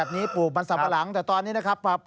แต่ตอนนี้พอมาปลูกอันนี้ราคาดีมาก